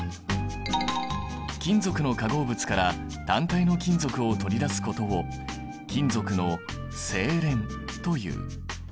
金属の化合物から単体の金属を取り出すことを金属の製錬という。